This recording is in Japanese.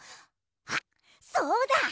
あっそうだ！